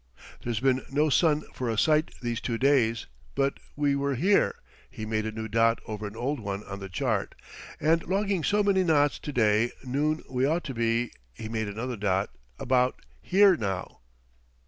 "There's been no sun for a sight these two days, but we were here" he made a new dot over an old one on the chart "and logging so many knots to day noon we ought to be" he made another dot "about here now."